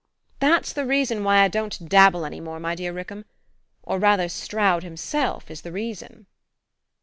That's the reason why I don't dabble any more, my dear Rickham; or rather Stroud himself is the reason."